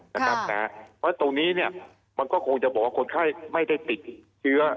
เพราะฉะนั้นตรงนี้มันก็คงจะบอกว่าคนไข้ไม่ได้ติดเชื้อ